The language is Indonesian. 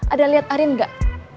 ada liat arin gak